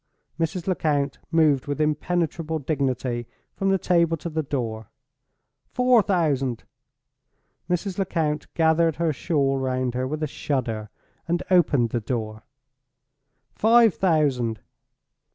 Mrs. Lecount moved with impenetrable dignity from the table to the door. "Four thousand!" Mrs. Lecount gathered her shawl round her with a shudder, and opened the door. "Five thousand!"